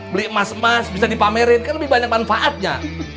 beli emas emas bisa dipamerin kan lebih banyak manfaatnya